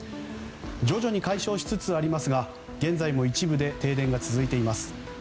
徐々に解消しつつありますが現在も一部で停電が続いています。